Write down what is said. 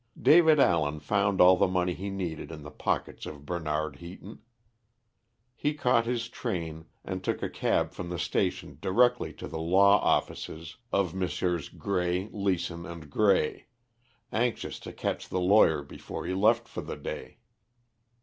David Allen found all the money he needed in the pockets of Bernard Heaton. He caught his train, and took a cab from the station directly to the law offices of Messrs. Grey, Leason and Grey, anxious to catch the lawyer before he left for the day.